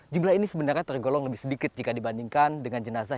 jumlah ini sebenarnya tergolong lebih sedikit jika dibandingkan dengan jenazah